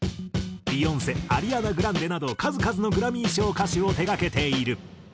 ビヨンセアリアナ・グランデなど数々のグラミー賞歌手を手がけている。